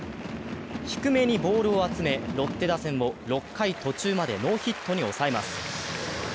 低めにボールを集め、ろって打線を６回途中までノーヒットに抑えます。